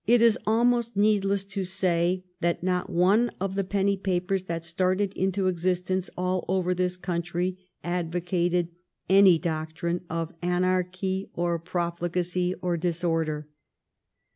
It is almost needless to say that not one of the penny papers that started into existence all over this country advocated any doctrine of anarchy or profligacy or disorder.